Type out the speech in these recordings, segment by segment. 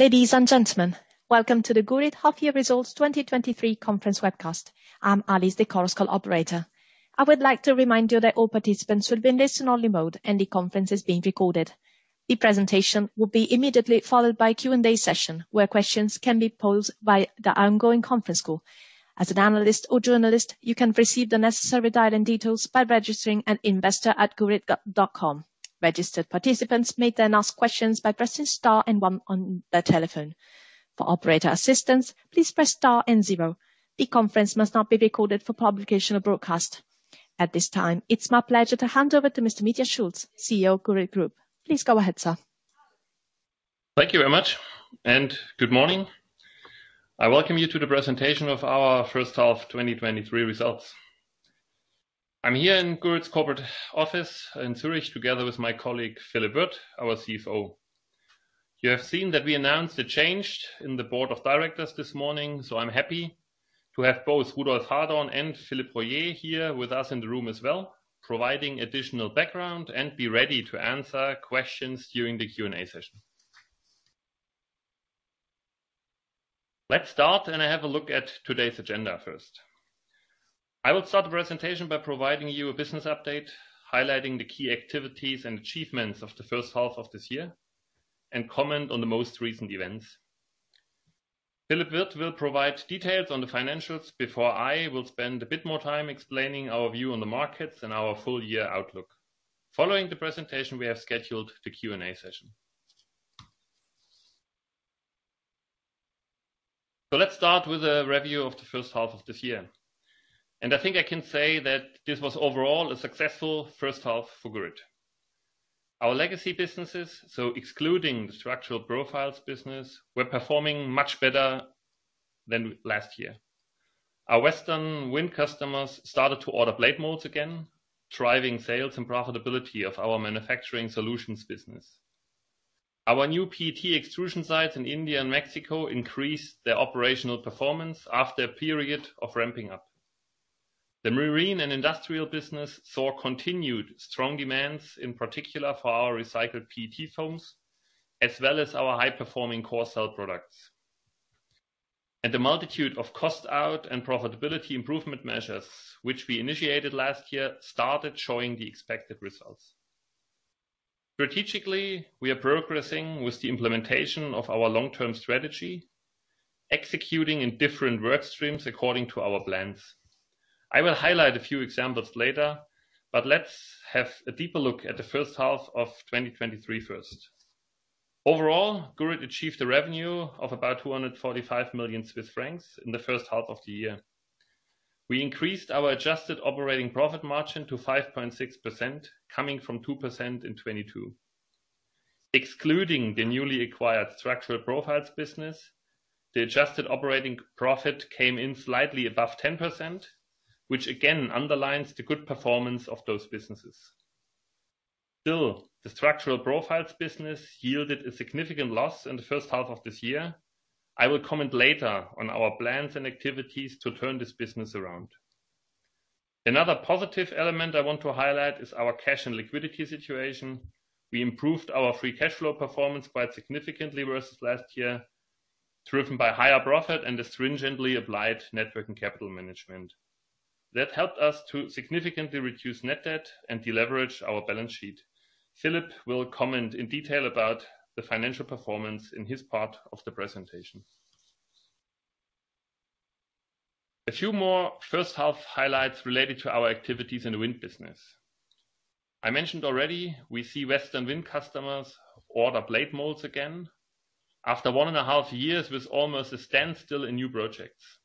Ladies and gentlemen, welcome to the Gurit Half Year Results 2023 Conference Webcast. I'm Alice, the Chorus Call operator. I would like to remind you that all participants will be in listen-only mode, and the conference is being recorded. The presentation will be immediately followed by a Q&A session, where questions can be posed by the ongoing conference call. As an analyst or journalist, you can receive the necessary dial-in details by registering at investor@gurit.com. Registered participants may then ask questions by pressing star and one on their telephone. For operator assistance, please press star and zero. The conference must not be recorded for publication or broadcast. At this time, it's my pleasure to hand over to Mr. Mitja Schulz, CEO of Gurit Group. Please go ahead, sir. Thank you very much, and good morning. I welcome you to the presentation of our first half 2023 results. I'm here in Gurit's corporate office in Zurich, together with my colleague, Philippe Wirth, our CFO. You have seen that we announced a change in the Board of Directors this morning, so I'm happy to have both Rudolf Hadorn and Philippe Royer here with us in the room as well, providing additional background and be ready to answer questions during the Q&A session. Let's start and have a look at today's agenda first. I will start the presentation by providing you a business update, highlighting the key activities and achievements of the first half of this year, and comment on the most recent events. Philippe Wirth will provide details on the financials before I will spend a bit more time explaining our view on the markets and our full half outlook. Following the presentation, we have scheduled the Q&A session. Let's start with a review of the first half of this year, and I think I can say that this was overall a successful first half for Gurit. Our legacy businesses, so excluding the Structural Profiles business, were performing much better than last year. Our Western wind customers started to order blade molds again, driving sales and profitability of our Manufacturing Solutions business. Our new PET extrusion sites in India and Mexico increased their operational performance after a period of ramping up. The marine and industrial business saw continued strong demands, in particular for our recycled PET foams, as well as our high-performing Corecell products. The multitude of cost out and profitability improvement measures, which we initiated last year, started showing the expected results. Strategically, we are progressing with the implementation of our long-term strategy, executing in different work streams according to our plans. I will highlight a few examples later, but let's have a deeper look at the first half of 2023 first. Overall, Gurit achieved a revenue of about 245 million Swiss francs in the first half of the year. We increased our adjusted operating profit margin to 5.6%, coming from 2% in 2022. Excluding the newly acquired Structural Profiles business, the adjusted operating profit came in slightly above 10%, which again underlines the good performance of those businesses. Still, the Structural Profiles business yielded a significant loss in the first half of this year. I will comment later on our plans and activities to turn this business around. Another positive element I want to highlight is our cash and liquidity situation. We improved our free cash flow performance quite significantly versus last year, driven by higher profit and a stringently applied net working capital management. That helped us to significantly reduce net debt and deleverage our balance sheet. Philipp will comment in detail about the financial performance in his part of the presentation. A few more first half highlights related to our activities in the wind business. I mentioned already, we see Western wind customers order blade molds again after one and a half years with almost a standstill in new projects.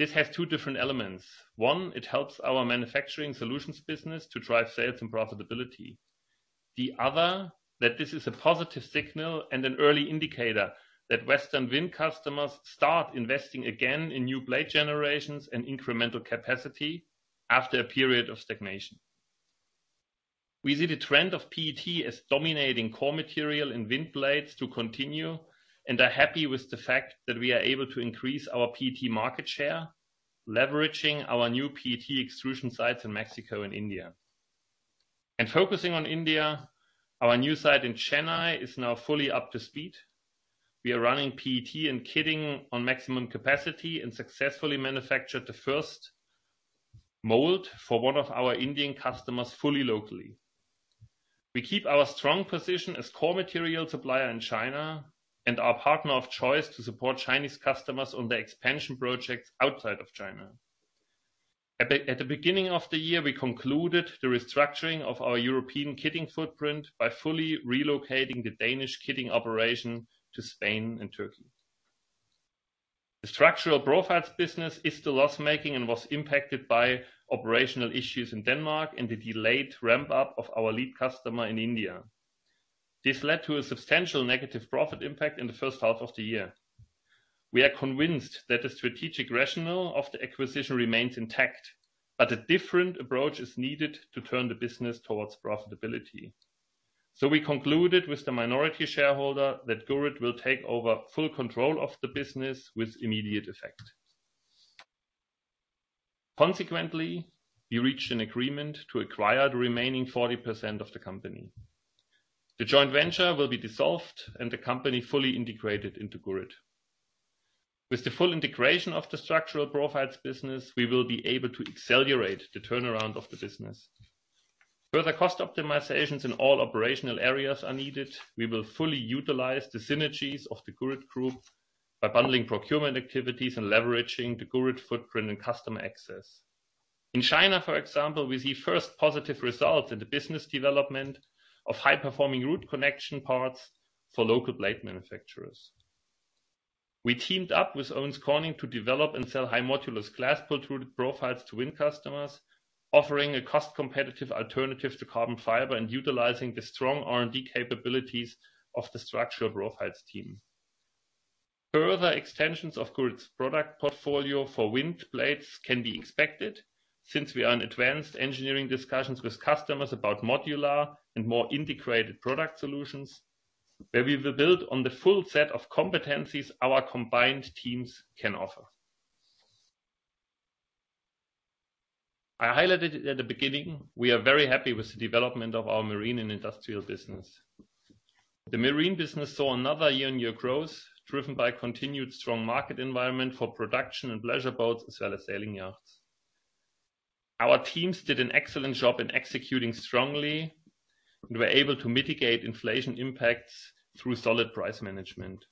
This has two different elements. One, it helps our Manufacturing Solutions business to drive sales and profitability. The other, that this is a positive signal and an early indicator that western wind customers start investing again in new blade generations and incremental capacity after a period of stagnation. We see the trend of PET as dominating core material in wind blades to continue, and are happy with the fact that we are able to increase our PET market share, leveraging our new PET extrusion sites in Mexico and India. Focusing on India, our new site in Chennai is now fully up to speed. We are running PET and kitting on maximum capacity and successfully manufactured the first mold for one of our Indian customers fully locally. We keep our strong position as core material supplier in China and our partner of choice to support Chinese customers on their expansion projects outside of China. At the beginning of the year, we concluded the restructuring of our European kitting footprint by fully relocating the Danish kitting operation to Spain and Turkey. The Structural Profiles business is still loss-making and was impacted by operational issues in Denmark and the delayed ramp-up of our lead customer in India. This led to a substantial negative profit impact in the first half of the year. We are convinced that the strategic rationale of the acquisition remains intact. A different approach is needed to turn the business towards profitability. We concluded with the minority shareholder that Gurit will take over full control of the business with immediate effect. Consequently, we reached an agreement to acquire the remaining 40% of the company. The joint venture will be dissolved and the company fully integrated into Gurit. With the full integration of the Structural Profiles business, we will be able to accelerate the turnaround of the business. Further cost optimizations in all operational areas are needed. We will fully utilize the synergies of the Gurit Group by bundling procurement activities and leveraging the Gurit footprint and customer access. In China, for example, we see first positive results in the business development of high-performing root connection parts for local blade manufacturers. We teamed up with Owens Corning to develop and sell high modulus glass pultruded profiles to wind customers, offering a cost-competitive alternative to carbon fiber and utilizing the strong R&D capabilities of the Structural Profiles team. Further extensions of Gurit's product portfolio for wind blades can be expected, since we are in advanced engineering discussions with customers about modular and more integrated product solutions, where we will build on the full set of competencies our combined teams can offer. I highlighted it at the beginning, we are very happy with the development of our marine and industrial business. The marine business saw another year-on-year growth, driven by continued strong market environment for production and pleasure boats, as well as sailing yachts. Our teams did an excellent job in executing strongly, and were able to mitigate inflation impacts through solid price management.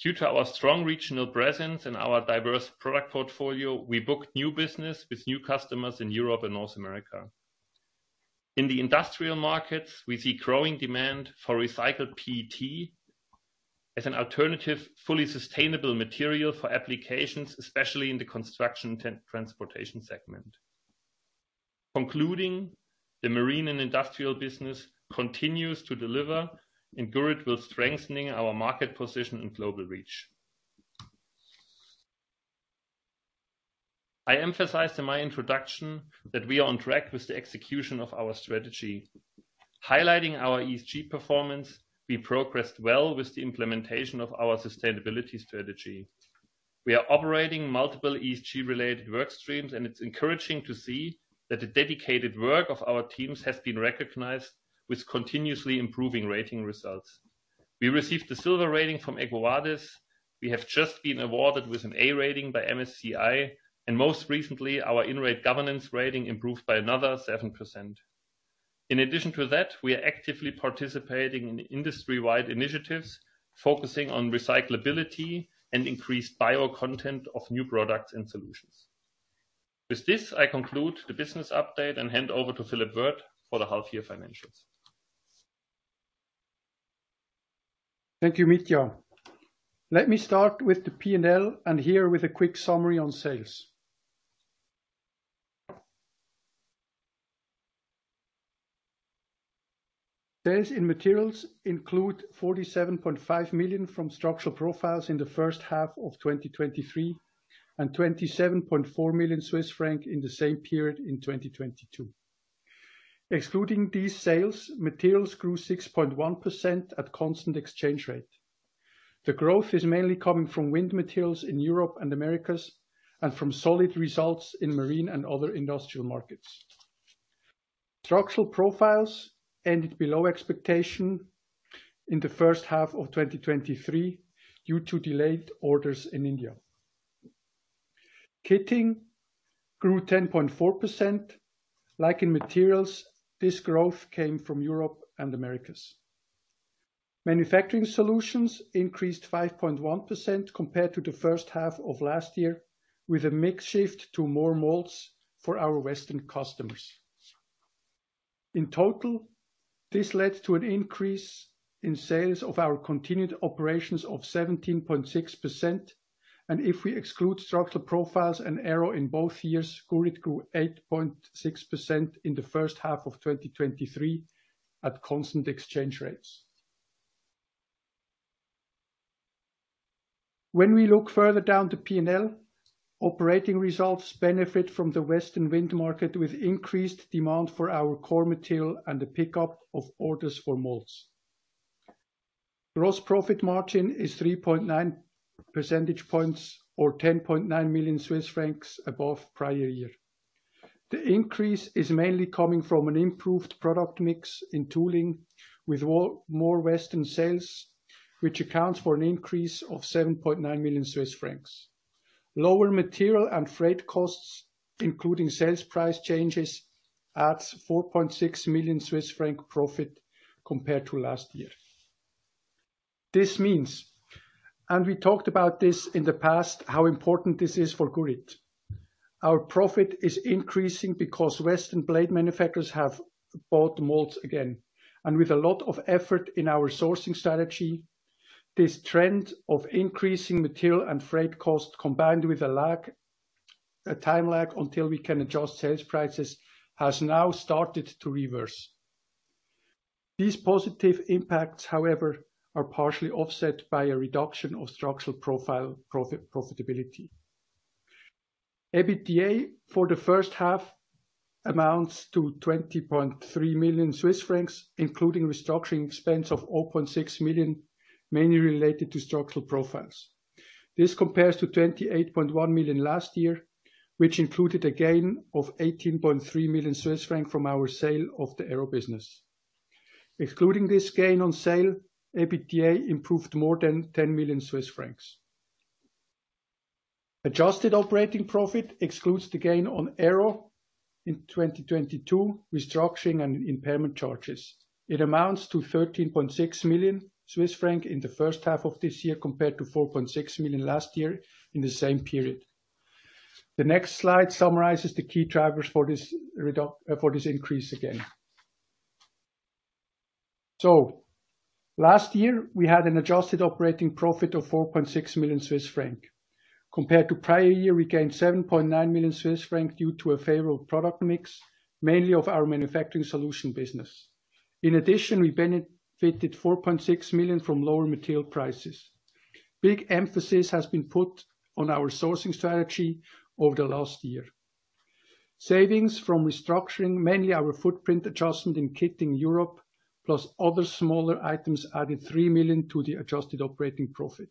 Due to our strong regional presence and our diverse product portfolio, we booked new business with new customers in Europe and North America. In the industrial markets, we see growing demand for recycled PET as an alternative, fully sustainable material for applications, especially in the construction and transportation segment. Concluding, the marine and industrial business continues to deliver, Gurit will strengthening our market position and global reach. I emphasized in my introduction that we are on track with the execution of our strategy. Highlighting our ESG performance, we progressed well with the implementation of our sustainability strategy. We are operating multiple ESG-related work streams, it's encouraging to see that the dedicated work of our teams has been recognized with continuously improving rating results. We received a silver rating from EcoVadis. We have just been awarded with an A rating by MSCI, most recently, our Inrate governance rating improved by another 7%. In addition to that, we are actively participating in industry-wide initiatives, focusing on recyclability and increased bio content of new products and solutions. With this, I conclude the business update and hand over to Philippe Wirth for the half year financials. Thank you, Mitja. Let me start with the P&L, and here with a quick summary on sales. Sales in materials include 47.5 million from Structural Profiles in the first half of 2023, and 27.4 million Swiss francs in the same period in 2022. Excluding these sales, materials grew 6.1% at constant exchange rate. The growth is mainly coming from wind materials in Europe and Americas, and from solid results in marine and other industrial markets. Structural Profiles ended below expectation in the first half of 2023, due to delayed orders in India. Kitting grew 10.4%. Like in materials, this growth came from Europe and Americas. Manufacturing Solutions increased 5.1% compared to the first half of last year, with a mix shift to more molds for our Western customers. In total, this led to an increase in sales of our continued operations of 17.6%, If we exclude Structural Profiles and Aero in both years, Gurit grew 8.6% in the first half of 2023 at constant exchange rates. When we look further down to P&L, operating results benefit from the Western wind market, with increased demand for our core material and a pickup of orders for molds. Gross profit margin is three point nine percentage points, or 10.9 million Swiss francs above prior year. Increase is mainly coming from an improved product mix in tooling, with more Western sales, which accounts for an increase of 7.9 million Swiss francs. Lower material and freight costs, including sales price changes, adds 4.6 million Swiss franc profit compared to last year. This means, and we talked about this in the past, how important this is for Gurit. Our profit is increasing because Western blade manufacturers have bought molds again, and with a lot of effort in our sourcing strategy, this trend of increasing material and freight costs, combined with a lag, a time lag, until we can adjust sales prices, has now started to reverse. These positive impacts, however, are partially offset by a reduction of Structural Profiles profitability. EBITDA for the first amounts to 20.3 million Swiss francs, including restructuring expense of 0.6 million, mainly related to Structural Profiles. This compares to 28.1 million last year, which included a gain of 18.3 million Swiss francs from our sale of the Aerospace business. Excluding this gain on sale, EBITDA improved more than 10 million Swiss francs. Adjusted operating profit excludes the gain on Aero in 2022, restructuring and impairment charges. It amounts to 13.6 million Swiss franc in the first half of this year, compared to 4.6 million last year in the same period. The next slide summarizes the key drivers for this increase again. Last year, we had an adjusted operating profit of 4.6 million Swiss franc. Compared to prior year, we gained 7.9 million Swiss franc due to a favorable product mix, mainly of our Manufacturing Solutions business. In addition, we benefited 4.6 million from lower material prices. Big emphasis has been put on our sourcing strategy over the last year. Savings from restructuring, mainly our footprint adjustment in Kitting Europe, plus other smaller items, added 3 million to the adjusted operating profit.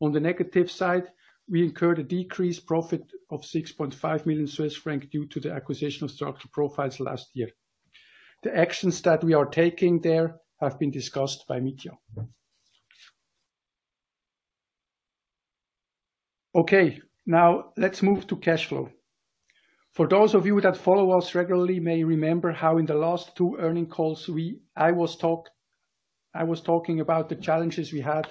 On the negative side, we incurred a decreased profit of 6.5 million Swiss francs due to the acquisition of Structural Profiles last year. The actions that we are taking there have been discussed by Mitja. Now let's move to cash flow. For those of you that follow us regularly, may remember how in the last two earning calls, I was talking about the challenges we had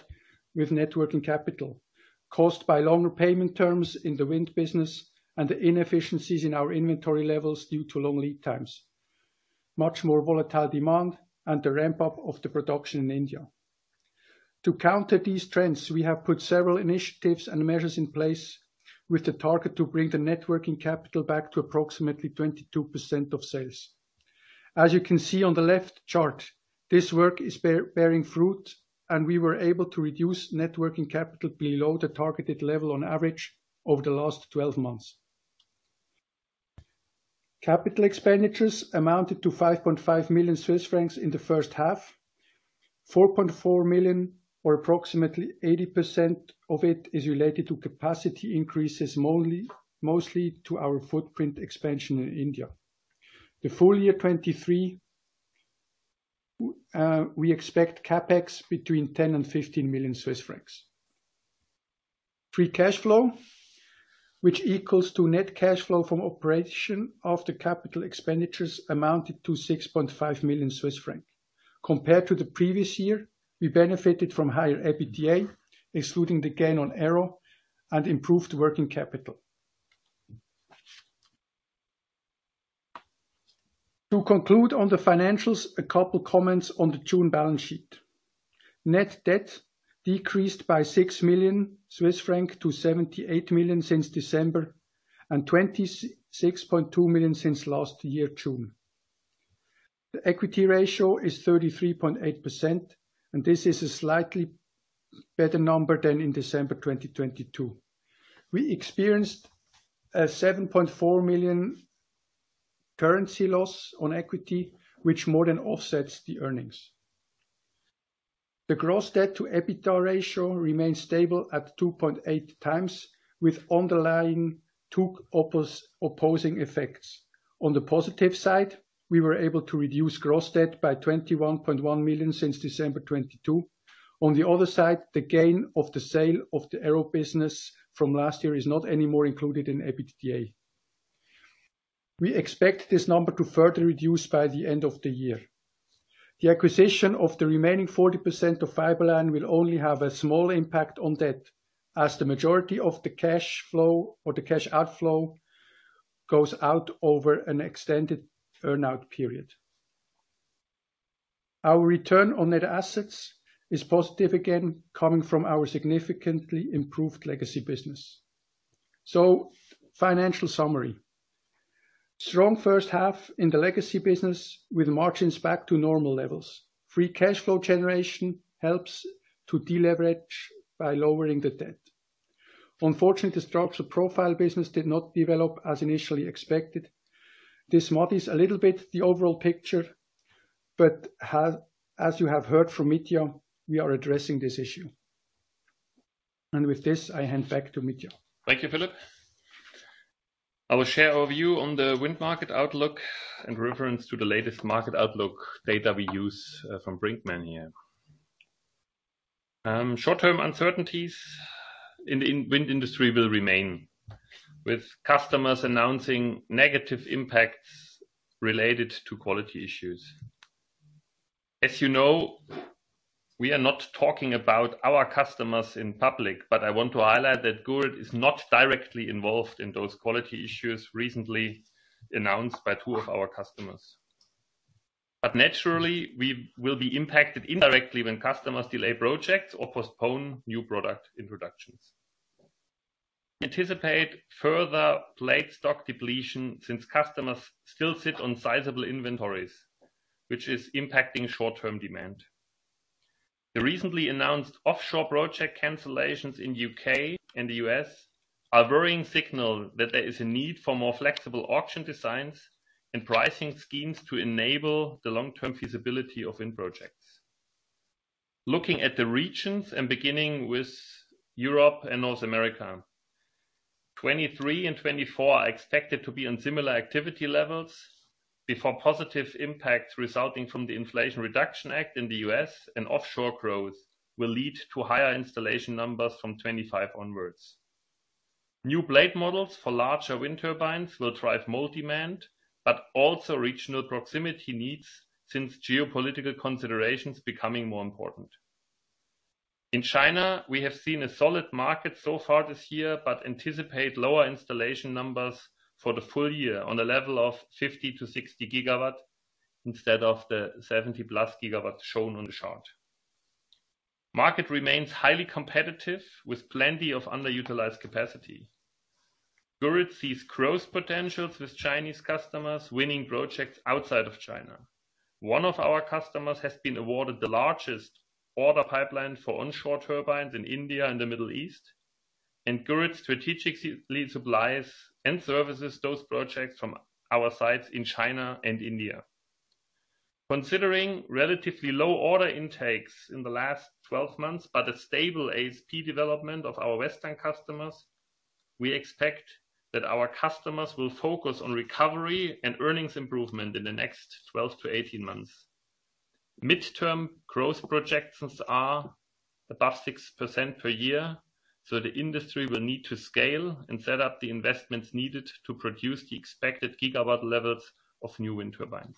with net working capital, caused by longer payment terms in the wind business and the inefficiencies in our inventory levels due to long lead times, much more volatile demand, and the ramp-up of the production in India. To counter these trends, we have put several initiatives and measures in place with the target to bring the net working capital back to approximately 22% of sales. As you can see on the left chart, this work is bearing fruit, and we were able to reduce net working capital below the targeted level on average over the last 12 months. Capital expenditures amounted to 5.5 million Swiss francs in the first half. 4.4 million, or approximately 80% of it, is related to capacity increases, mostly to our footprint expansion in India. The full year 2023, we expect CapEx between 10 million-15 million Swiss francs. Free cash flow, which equals to net cash flow from operation of the capital expenditures, amounted to 6.5 million Swiss francs. Compared to the previous year, we benefited from higher EBITDA, excluding the gain on Aero and improved working capital. To conclude on the financials, a couple comments on the June balance sheet. Net debt decreased by 6 million Swiss francs to 78 million since December, and 26.2 million since last year, June. The equity ratio is 33.8%, and this is a slightly better number than in December 2022. We experienced a 7.4 million currency loss on equity, which more than offsets the earnings. The gross debt to EBITDA ratio remains stable at 2.8 times, with underlying two opposing effects. On the positive side, we were able to reduce gross debt by 21.1 million since December 2022. On the other side, the gain of the sale of the Aerospace business from last year is not anymore included in EBITDA. We expect this number to further reduce by the end of the year. The acquisition of the remaining 40% of Fiberline will only have a small impact on debt, as the majority of the cash flow or the cash outflow, goes out over an extended earn-out period. Our return on net assets is positive again, coming from our significantly improved legacy business. Financial summary. Strong first half in the legacy business with margins back to normal levels. Free cash flow generation helps to deleverage by lowering the debt. Unfortunately, the structural profile business did not develop as initially expected. This muddies a little bit, the overall picture, but as, as you have heard from Mitja, we are addressing this issue. With this, I hand back to Mitja. Thank you, Philippe. I will share our view on the wind market outlook in reference to the latest market outlook data we use from Brinckmann here. Short-term uncertainties in the wind industry will remain, with customers announcing negative impacts related to quality issues. As you know, we are not talking about our customers in public, but I want to highlight that Gurit is not directly involved in those quality issues recently announced by two of our customers. Naturally, we will be impacted indirectly when customers delay projects or postpone new product introductions. Anticipate further late stock depletion, since customers still sit on sizable inventories, which is impacting short-term demand....The recently announced offshore project cancellations in U.K. and the U.S. are a worrying signal that there is a need for more flexible auction designs and pricing schemes to enable the long-term feasibility of wind projects. Looking at the regions, beginning with Europe and North America, 2023 and 2024 are expected to be on similar activity levels before positive impacts resulting from the Inflation Reduction Act in the US and offshore growth will lead to higher installation numbers from 2025 onwards. New blade models for larger wind turbines will drive mold demand, but also regional proximity needs, since geopolitical consideration is becoming more important. In China, we have seen a solid market so far this year, but anticipate lower installation numbers for the full year on a level of 50GW-60GW, instead of the 70+ GW shown on the chart. Market remains highly competitive, with plenty of underutilized capacity. Gurit sees growth potentials with Chinese customers winning projects outside of China. One of our customers has been awarded the largest order pipeline for onshore turbines in India and the Middle East. Gurit strategically supplies and services those projects from our sites in China and India. Considering relatively low order intakes in the last 12 months, a stable ASP development of our western customers, we expect that our customers will focus on recovery and earnings improvement in the next 12-18 months. Midterm growth projections are above 6% per year. The industry will need to scale and set up the investments needed to produce the expected gigawatt levels of new wind turbines.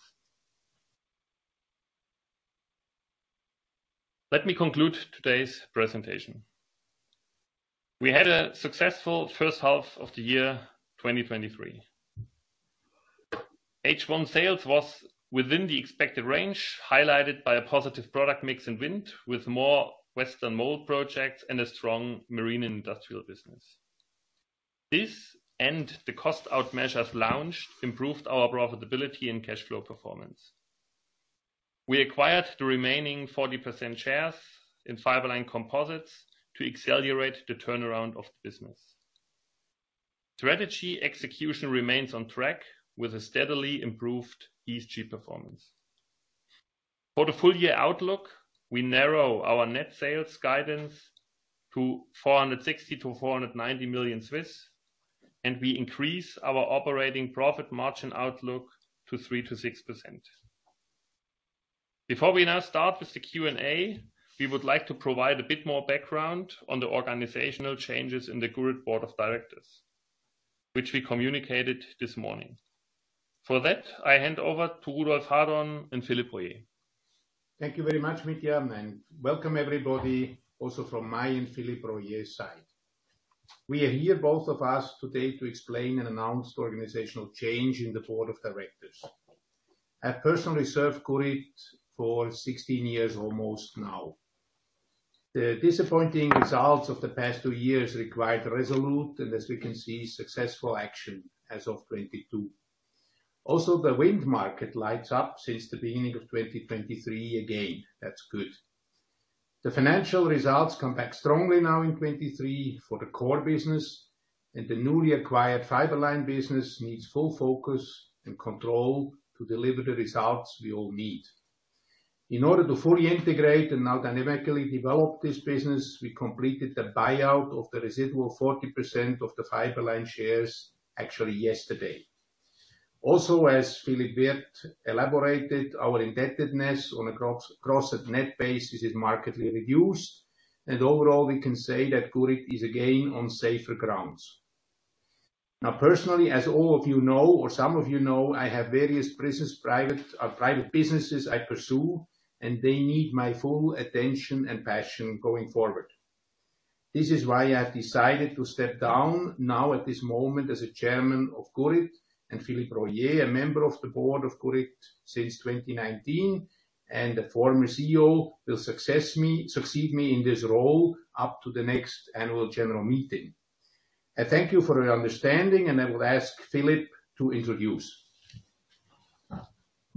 Let me conclude today's presentation. We had a successful first half of the year, 2023. H1 sales was within the expected range, highlighted by a positive product mix in wind, with more western mold projects and a strong marine industrial business. This, and the cost-out measures launched, improved our profitability and cash flow performance. We acquired the remaining 40% shares in Fiberline Composites to accelerate the turnaround of the business. Strategy execution remains on track with a steadily improved ESG performance. For the full year outlook, we narrow our net sales guidance to 460 million-490 million, we increase our operating profit margin outlook to 3%-6%. Before we now start with the Q&A, we would like to provide a bit more background on the organizational changes in the Gurit board of directors, which we communicated this morning. For that, I hand over to Rudolf Hadorn and Philippe Royer. Thank you very much, Mitja, welcome everybody, also from my and Philippe Royer's side. We are here, both of us, today, to explain and announce the organizational change in the board of directors. I personally served Gurit for 16 years, almost now. The disappointing results of the past 2 years required resolute, and as we can see, successful action as of 2022. The wind market lights up since the beginning of 2023 again. That's good. The financial results come back strongly now in 2023 for the core business, and the newly acquired Fiberline business needs full focus and control to deliver the results we all need. In order to fully integrate and now dynamically develop this business, we completed the buyout of the residual 40% of the Fiberline shares, actually yesterday. Also, as Philippe Wirth elaborated, our indebtedness on a gross, gross and net basis is markedly reduced, and overall, we can say that Gurit is again on safer grounds. Now, personally, as all of you know, or some of you know, I have various business, private, private businesses I pursue, and they need my full attention and passion going forward. This is why I've decided to step down now, at this moment, as a Chairman of Gurit, and Philippe Royer, a member of the Board of Gurit since 2019, and the former CEO, will succeed me in this role up to the next annual general meeting. I thank you for your understanding, and I will ask Philippe to introduce.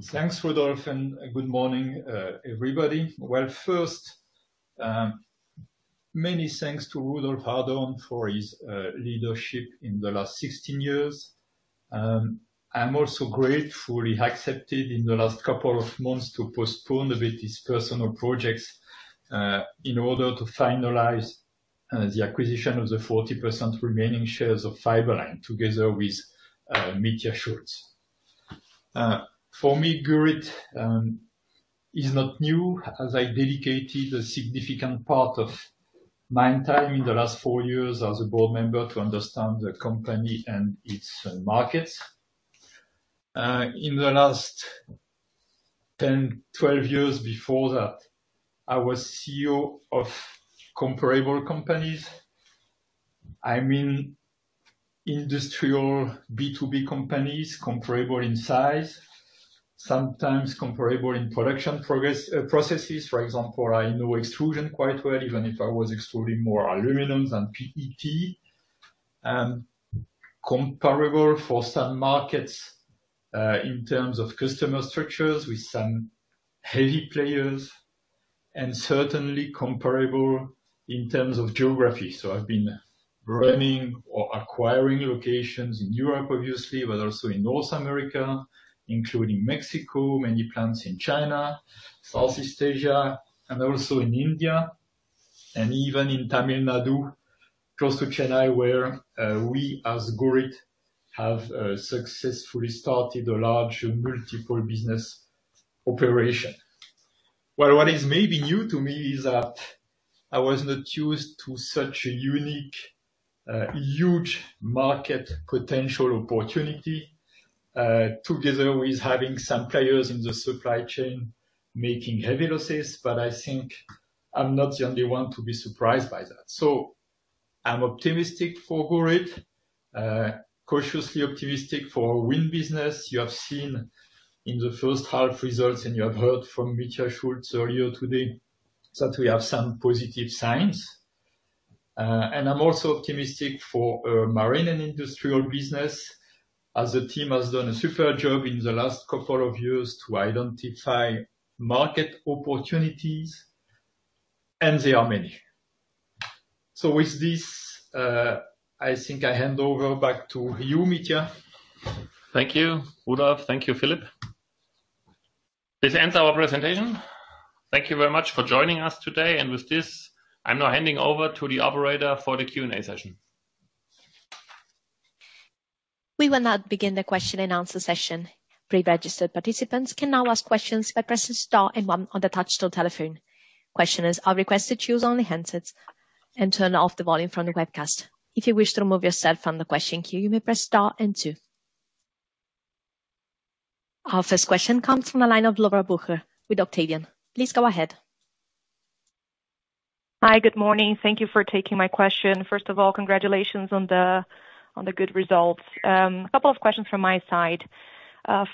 Thanks, Rudolf. Good morning, everybody. Well, first, many thanks to Rudolf Hadorn for his leadership in the last 16 years. I'm also grateful he accepted in the last couple of months to postpone a bit his personal projects in order to finalize the acquisition of the 40% remaining shares of Fiberline, together with Mitja Schulz. For me, Gurit is not new, as I dedicated a significant part of my time in the last four years as a board member to understand the company and its markets. In the last 10, 12 years before that, I was CEO of comparable companies. I mean, industrial B2B companies, comparable in size, sometimes comparable in production progress, processes. For example, I know extrusion quite well, even if I was extruding more aluminum than PET. comparable for some markets, in terms of customer structures with some heavy players, and certainly comparable in terms of geography. I've been running or acquiring locations in Europe, obviously, but also in North America, including Mexico, many plants in China, Southeast Asia, and also in India, and even in Tamil Nadu, close to Chennai, where, we, as Gurit, have, successfully started a large multiple business operation. Well, what is maybe new to me is that I was not used to such a unique, huge market potential opportunity, together with having some players in the supply chain making heavy losses, but I think I'm not the only one to be surprised by that. I'm optimistic for Gurit, cautiously optimistic for wind business. You have seen in the first half results, and you have heard from Mitja Schulz earlier today, that we have some positive signs. I'm also optimistic for marine and industrial business, as the team has done a super job in the last couple of years to identify market opportunities, and they are many. With this, I think I hand over back to you, Mitja. Thank you, Rudolf. Thank you, Philippe. This ends our presentation. Thank you very much for joining us today. With this, I'm now handing over to the operator for the Q&A session. We will now begin the question and answer session. Pre-registered participants can now ask questions by pressing star and one on the touch tone telephone. Questioners are requested to use only handsets and turn off the volume from the webcast. If you wish to remove yourself from the question queue, you may press star and two. Our first question comes from the line of Laura Bucher with Octavian. Please go ahead. Hi, good morning. Thank you for taking my question. First of all, congratulations on the good results. A couple of questions from my side.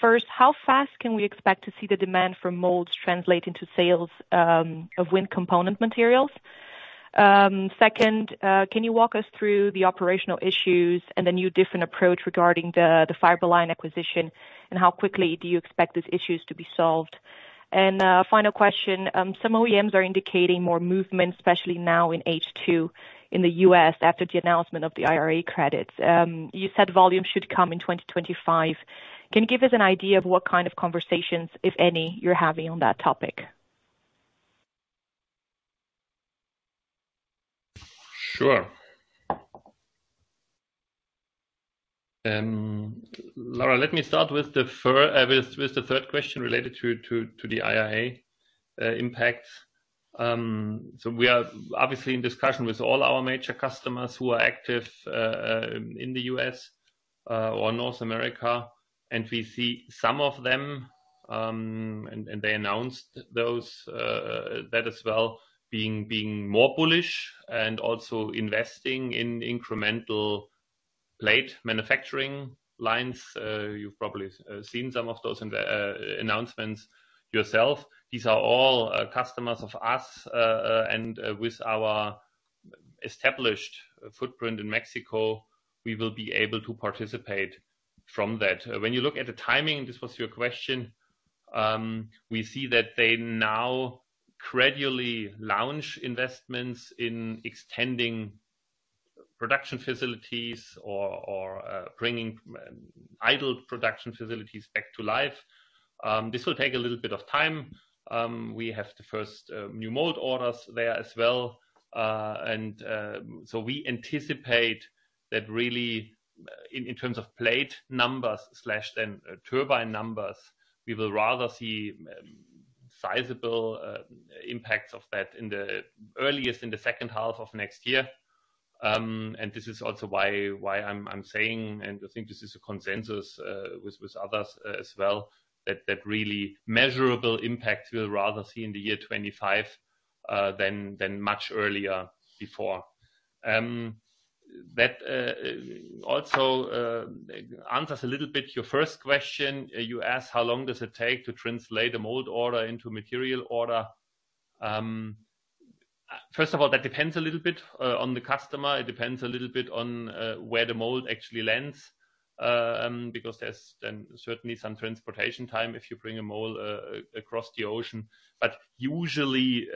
First, how fast can we expect to see the demand for molds translate into sales of wind component materials? Second, can you walk us through the operational issues and the new different approach regarding the Fiberline acquisition, and how quickly do you expect these issues to be solved? Final question, some OEMs are indicating more movement, especially now in H2, in the US, after the announcement of the IRA credits. You said volume should come in 2025. Can you give us an idea of what kind of conversations, if any, you're having on that topic? Sure. Laura, let me start with the third question related to the IRA impact. We are obviously in discussion with all our major customers who are active in the US or North America. We see some of them, and they announced those that as well, being more bullish and also investing in incremental blade manufacturing lines. You've probably seen some of those in the announcements yourself. These are all customers of us, and with our established footprint in Mexico, we will be able to participate from that. When you look at the timing, this was your question, we see that they now gradually launch investments in extending production facilities or bringing idle production facilities back to life. This will take a little bit of time. We have the first new mold orders there as well. We anticipate that really, in, in terms of blade numbers/then turbine numbers, we will rather see sizable impacts of that in the earliest, in the second half of next year. This is also why, why I'm, I'm saying, and I think this is a consensus with others as well, that that really measurable impact we'll rather see in the 2025 than much earlier before. That also answers a little bit your first question. You asked: How long does it take to translate a mold order into a material order? First of all, that depends a little bit on the customer. It depends a little bit on where the mold actually lands, because there's then certainly some transportation time if you bring a mold across the ocean. Usually,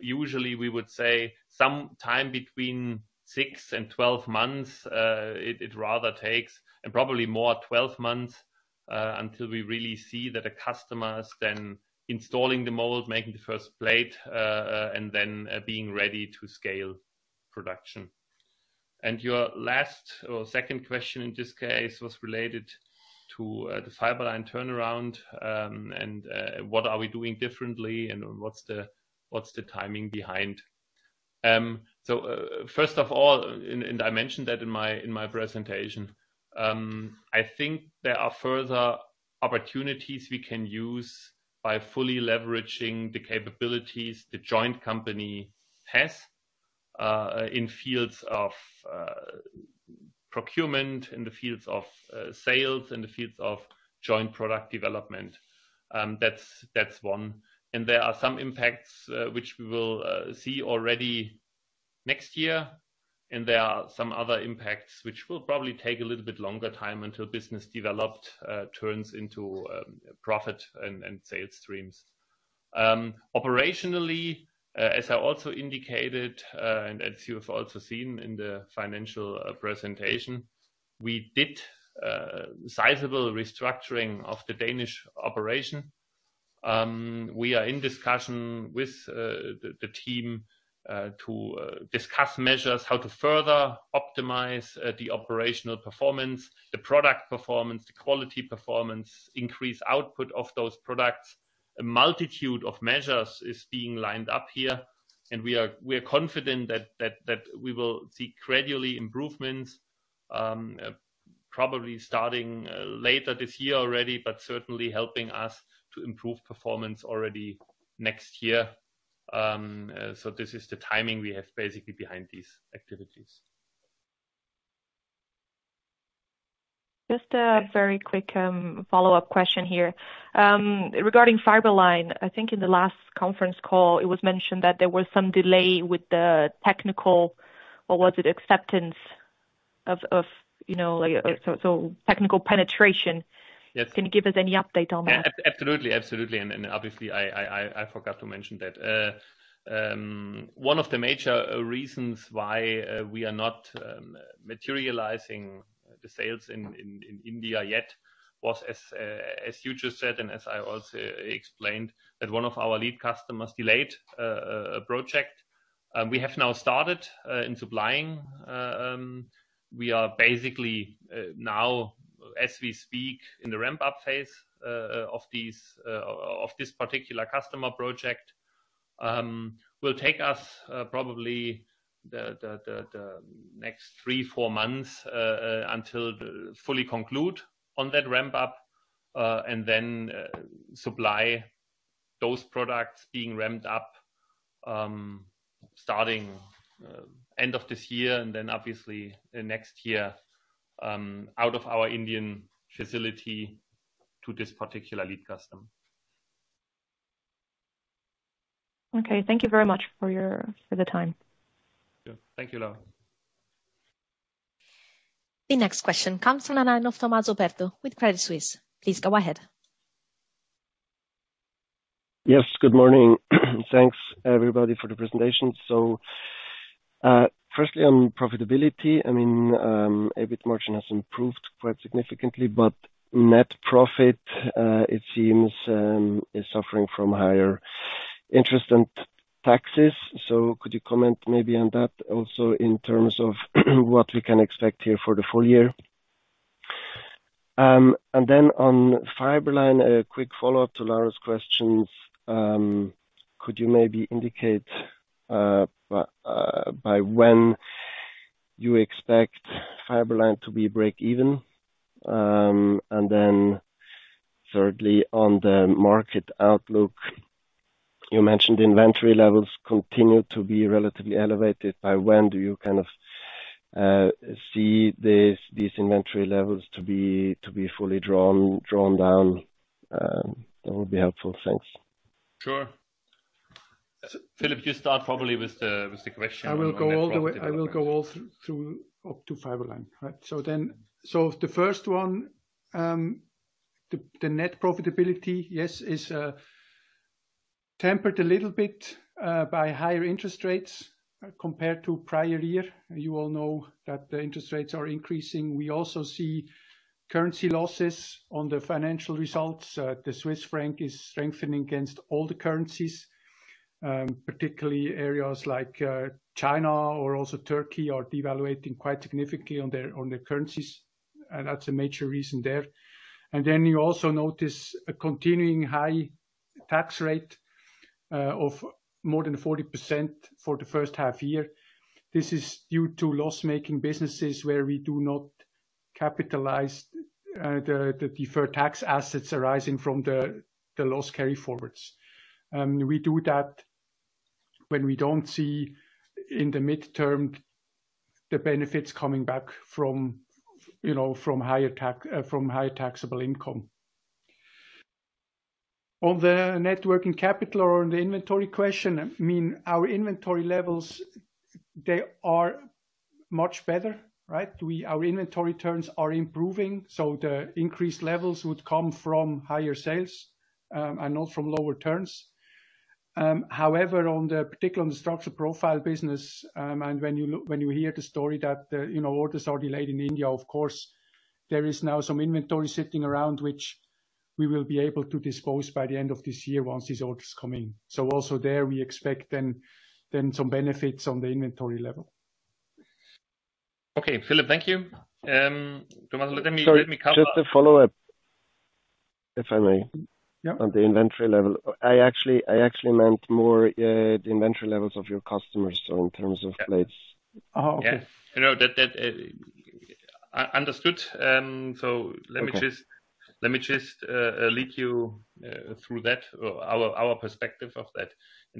usually, we would say some time between six and 12 months, it rather takes, and probably more 12 months, until we really see that the customer is then installing the mold, making the first blade, and then being ready to scale production. Your last or second question, in this case, was related to the Fiberline turnaround, and what are we doing differently, and what's the, what's the timing behind? First of all, I mentioned that in my presentation, I think there are further opportunities we can use by fully leveraging the capabilities the joint company has in fields of procurement, in the fields of sales, in the fields of joint product development. That's, that's one. There are some impacts which we will see already next year. There are some other impacts which will probably take a little bit longer time until business developed turns into profit and sales streams. Operationally, as I also indicated, as you have also seen in the financial presentation, we did sizable restructuring of the Danish operation. We are in discussion with the team to discuss measures how to further optimize the operational performance, the product performance, the quality performance, increase output of those products. A multitude of measures is being lined up here, and we are confident that we will see gradually improvements, probably starting later this year already, but certainly helping us to improve performance already next year. So this is the timing we have basically behind these activities. Just a very quick, follow-up question here. Regarding Fiberline, I think in the last conference call, it was mentioned that there was some delay with the technical, or was it acceptance of, of, you know, like, so, so technical penetration? Yes. Can you give us any update on that? Yeah. Absolutely. Absolutely, and obviously I, I, I, forgot to mention that. One of the major reasons why we are not materializing the sales in, in, in India yet was as you just said, and as I also explained, that one of our lead customers delayed a project. We have now started in supplying. We are basically now, as we speak, in the ramp-up phase of these of this particular customer project. Will take us probably the, the, the, the next three, four months until fully conclude on that ramp-up, and then supply those products being ramped up, starting end of this year, and then obviously the next year out of our Indian facility to this particular lead customer. Okay. Thank you very much for your, for the time. Thank you, Laura. The next question comes from the line of Tommaso Berti with Credit Suisse. Please go ahead. Yes, good morning. Thanks, everybody, for the presentation. Firstly, on profitability, I mean, EBIT margin has improved quite significantly, but net profit, it seems, is suffering from higher interest and taxes. Could you comment maybe on that also in terms of what we can expect here for the full year? Then on Fiberline, a quick follow-up to Laura's questions. Could you maybe indicate by when you expect Fiberline to be breakeven? Then thirdly, on the market outlook, you mentioned inventory levels continue to be relatively elevated. By when do you kind of see these, these inventory levels to be fully drawn down? That would be helpful. Thanks. Sure. Philippe, you start probably with the, with the question. I will go all the way through up to Fiberline, right? The first one, the net profitability, yes, is tempered a little bit by higher interest rates compared to prior year. You all know that the interest rates are increasing. We also see currency losses on the financial results. The Swiss franc is strengthening against all the currencies, particularly areas like China or also Turkey, are devaluating quite significantly on their currencies, and that's a major reason there. You also notice a continuing high tax rate of more than 40% for the first half year. This is due to loss-making businesses, where we do not capitalize the deferred tax assets arising from the loss carry-forwards. We do that when we don't see in the midterm, the benefits coming back from from higher taxable income. On the net working capital or on the inventory question, our inventory levels, they are much better, right? Our inventory turns are improving, so the increased levels would come from higher sales and not from lower turns. However, on the particular, on the Structural Profiles business, and when you hear the story that orders are delayed in India, of course, there is now some inventory sitting around which we will be able to dispose by the end of this year once these orders come in. Also there, we expect then some benefits on the inventory level. Okay, Philippe, thank you. Tommaso, let me. Sorry. Let me come back. Just to follow up, if I may. Yeah. On the inventory level. I actually, I actually meant more, the inventory levels of your customers, so in terms of blades. Oh, okay. Yes. No, that, that, understood. Okay... let me just, let me just lead you through that, or our, our perspective of that.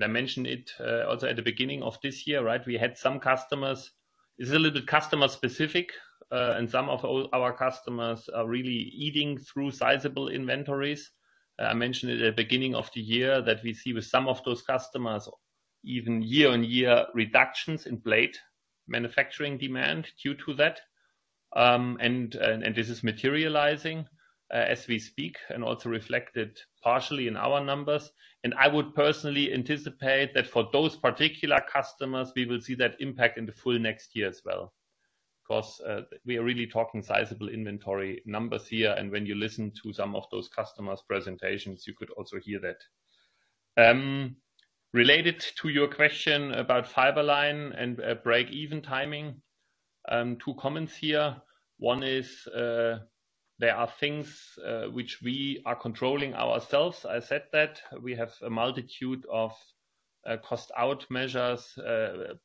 I mentioned it also at the beginning of this year, right? We had some customers. It's a little customer specific, and some of our customers are really eating through sizable inventories. I mentioned at the beginning of the year that we see with some of those customers, even year-on-year reductions in blade manufacturing demand due to that. This is materializing as we speak, and also reflected partially in our numbers. I would personally anticipate that for those particular customers, we will see that impact in the full next year as well. 'Cause we are really talking sizable inventory numbers here, and when you listen to some of those customers' presentations, you could also hear that. Related to your question about Fiberline and breakeven timing, two comments here. One is, there are things which we are controlling ourselves. I said that. We have a multitude of cost out measures,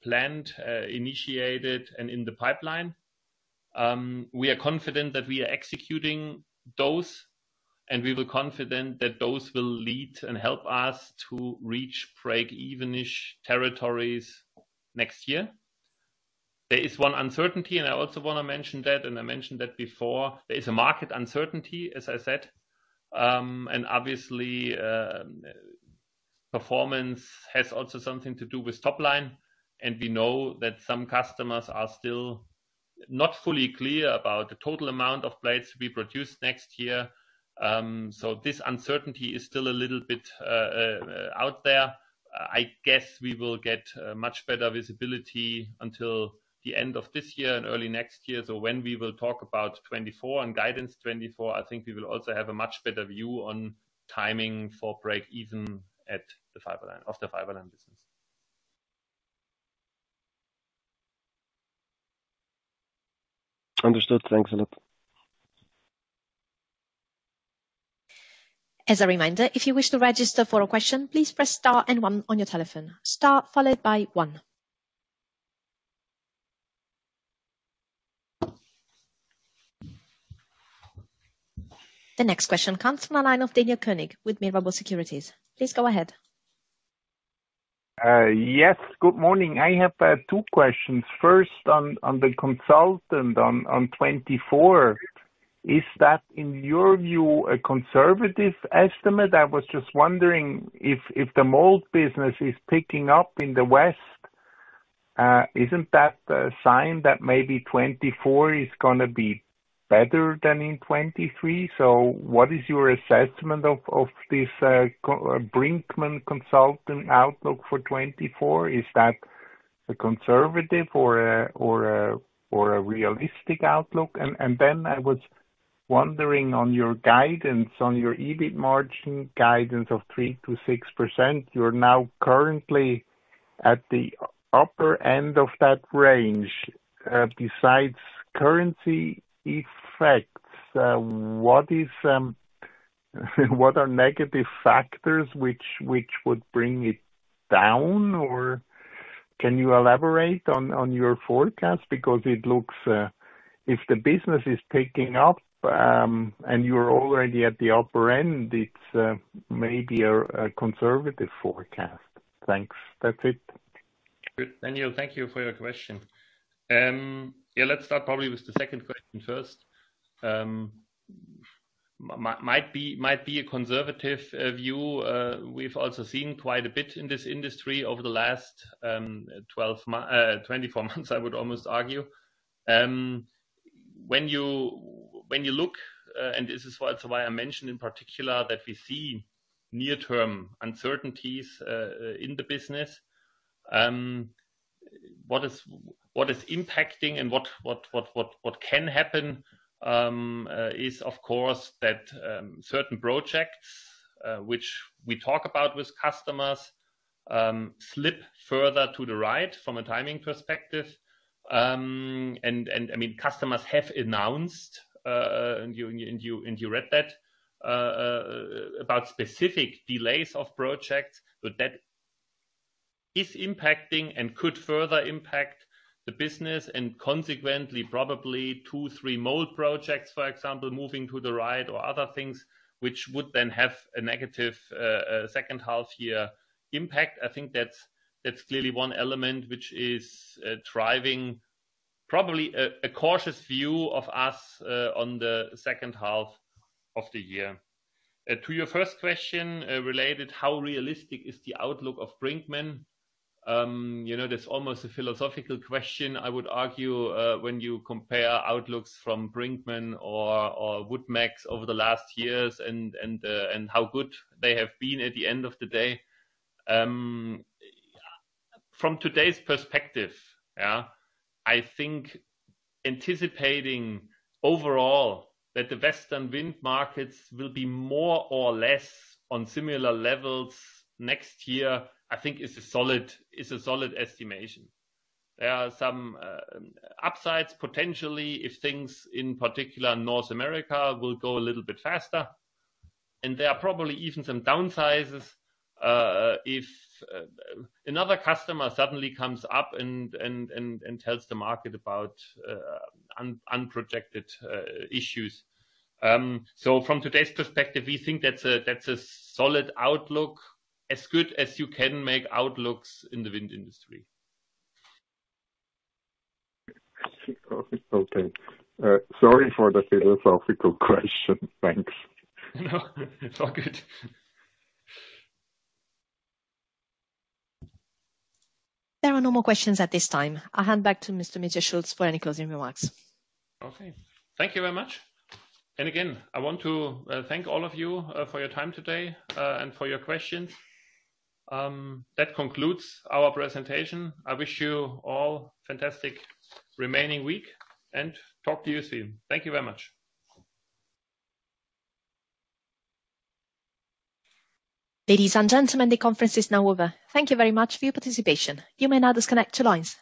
planned, initiated and in the pipeline. We are confident that we are executing those, and we were confident that those will lead and help us to reach breakeven-ish territories next year. There is one uncertainty, and I also want to mention that, and I mentioned that before. There is a market uncertainty, as I said. And obviously, performance has also something to do with top line, and we know that some customers are still not fully clear about the total amount of blades to be produced next year. So this uncertainty is still a little bit out there. I guess we will get much better visibility until the end of this year and early next year. When we will talk about 2024 and guidance 2024, I think we will also have a much better view on timing for breakeven at the Fiberline, of the Fiberline business. Understood. Thanks a lot. As a reminder, if you wish to register for a question, please press star and 1 on your telephone. Star followed by 1. The next question comes from the line of Daniel Koenig with Mirabaud Securities. Please go ahead. Yes, good morning. I have two questions. First, on the consultant on 2024, is that, in your view, a conservative estimate? I was just wondering if the mold business is picking up in the West, isn't that a sign that maybe 2024 is gonna be better than in 2023? What is your assessment of this Brinckmann consultant outlook for 2024? Is that a conservative or a realistic outlook? Then I was wondering on your guidance, on your EBIT margin guidance of 3%-6%, you're now currently at the upper end of that range. Besides currency effects, what are negative factors which would bring it down? Or can you elaborate on your forecast? Because it looks, if the business is picking up, and you're already at the upper end, it's, maybe a conservative forecast. Thanks. That's it. Good. Daniel, thank you for your question. Yeah, let's start probably with the second question first. Might, might be, might be a conservative view. We've also seen quite a bit in this industry over the last 24 months, I would almost argue. When you, when you look, and this is also why I mentioned in particular, that we see near-term uncertainties in the business. What is, what is impacting and what, what, what, what, what can happen, is, of course, that certain projects, which we talk about with customers, slip further to the right, from a timing perspective. I mean, customers have announced, and you, and you, and you read that, about specific delays of projects, that is impacting and could further impact the business, and consequently, probably two, three mold projects, for example, moving to the right or other things, which would then have a negative, second half year impact. I think that's, that's clearly one element which is driving probably a cautious view of us on the second half of the year. To your first question, related, how realistic is the outlook of Brinkmann? You know, that's almost a philosophical question. I would argue, when you compare outlooks from Brinckmann or Woodmac over the last years and, and how good they have been at the end of the day, from today's perspective, I think anticipating overall that the Western wind markets will be more or less on similar levels next year, I think is a solid, is a solid estimation. There are some upsides, potentially, if things, in particular in North America, will go a little bit faster. There are probably even some downsizes, if another customer suddenly comes up and, and tells the market about unprojected issues. From today's perspective, we think that's a, that's a solid outlook, as good as you can make outlooks in the wind industry. Okay. Sorry for the philosophical question. Thanks. No, it's all good. There are no more questions at this time. I'll hand back to Mr. Mitja Schulz for any closing remarks. Okay. Thank you very much. Again, I want to thank all of you for your time today and for your questions. That concludes our presentation. I wish you all fantastic remaining week, and talk to you soon. Thank you very much. Ladies and gentlemen, the conference is now over. Thank you very much for your participation. You may now disconnect your lines.